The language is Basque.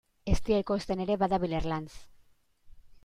Eztia ekoizten ere badabil Erlanz.